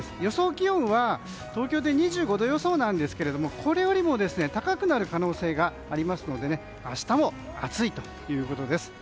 気温は、東京で２５度予想なんですけれどもこれよりも高くなる可能性がありますので明日も暑いということです。